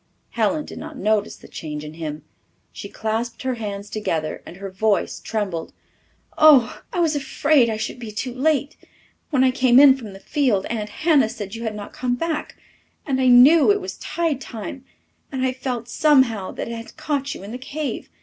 Helen did not notice the change in him. She clasped her hands together and her voice trembled. "Oh, I was afraid I should be too late! When I came in from the field Aunt Hannah said you had not come back and I knew it was tide time and I felt somehow that it had caught you in the cave.